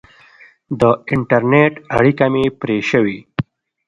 د انټرنېټ اړیکه مې پرې شوې.